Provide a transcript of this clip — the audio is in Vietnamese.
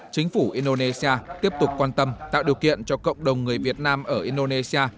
chính phủ indonesia tiếp tục quan tâm tạo điều kiện cho cộng đồng người việt nam ở indonesia